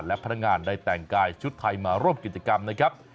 และพนักงานได้แต่งกายชุดไทยมาร่วมกิจกรรมนะครับ